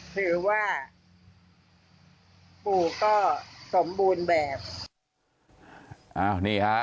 คือว่าปูก็สมบูรณ์แบบ